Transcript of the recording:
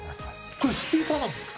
これスピーカーなんですか？